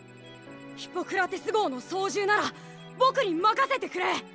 ヒポクラテス号の操縦ならボクに任せてくれ！